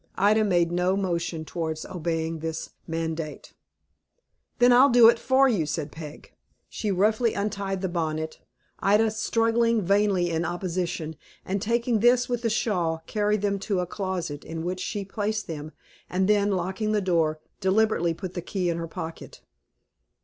Ida made no motion towards obeying this mandate. "Then I'll do it for you," said Peg. She roughly untied the bonnet, Ida struggling vainly in opposition, and taking this with the shawl, carried them to a closet, in which she placed them, and then, locking the door, deliberately put the key in her pocket.